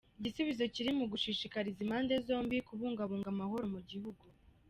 Igisubizo kiri mu gushishikariza impande zombi kubungabunga amahoro mu gihugu.